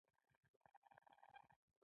عقل لار ښيي، احساس حرکت ورکوي.